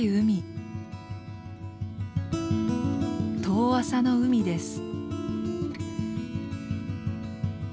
遠浅の海です。